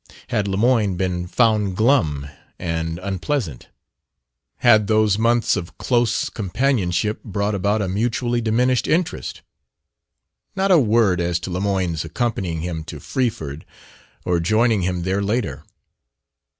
Had Lemoyne been found glum and unpleasant? Had those months of close companionship brought about a mutually diminished interest? Not a word as to Lemoyne's accompanying him to Freeford, or joining him there later.